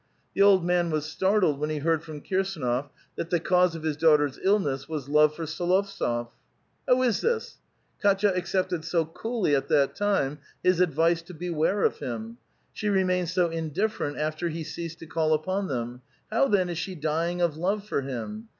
The old man was startled when he heard from Kirsiinof that the cause of his daughter's illness was love for S6lovtsof. How is this? Kdtya accepted so coolly at that time his ad vice to beware of him ; she remained so indifferent after he ceased to call upon them : how then is she dying of love for him?